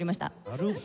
なるほど。